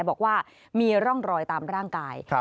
บอกว่ามีร่องรอยตามร่างกาย